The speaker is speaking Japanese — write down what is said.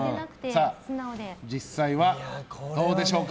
実際は、どうでしょうか。